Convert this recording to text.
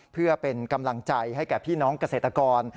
เพื่อเป็นกำลังใจให้แก่พี่น้องเกษตรกร